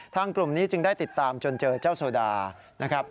กลุ่มนี้จึงได้ติดตามจนเจอเจ้าโซดานะครับ